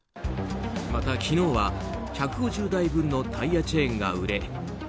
また昨日は、１５０台分のタイヤチェーンが売れ